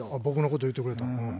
僕のこと言うてくれた。